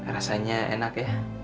rasanya enak ya